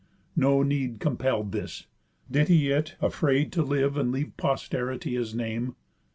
No need compell'd this. Did he it, afraid To live and leave posterity his name?"